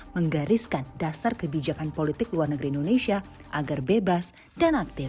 menggariskan dasar kebijakan politik luar negeri indonesia agar bebas dan aktif